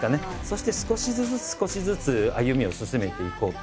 そして少しずつ少しずつ歩みを進めていこう。